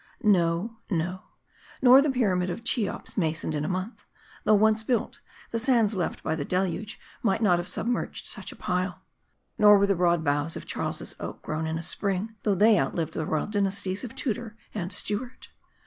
No, no : nor was the Pyramid of Cheops masoned in a month ; though, once built, the sands left by the 268 M A R D I. deluge might not have submerged such a pile. Nor were the broad boughs of Charles' Oak grown in a spring ; though they outlived the royal dynasties of Tudor and Stuart.